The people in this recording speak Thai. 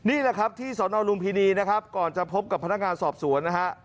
นี่แหละครับที่สนลุมพินีนะครับก่อนจะพบกับพนักงานสอบสวนนะฮะ